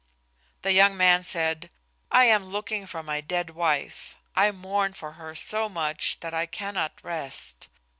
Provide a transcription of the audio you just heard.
The young man said, "I am looking for my dead wife. I mourn for her so much that I cannot rest.